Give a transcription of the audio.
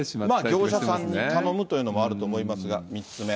業者さんに頼むというのもあると思いますが、３つ目。